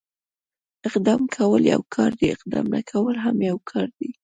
اقدام کول يو کار دی، اقدام نه کول هم يو کار دی.